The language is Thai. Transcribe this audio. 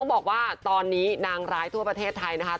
บอกว่าตอนนี้นางร้ายทั่วประเทศไทยนะคะ